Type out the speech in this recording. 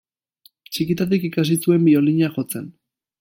Txikitatik ikasi zuen biolina jotzen.